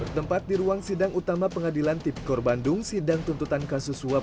bertempat di ruang sidang utama pengadilan tipikor bandung sidang tuntutan kasus suap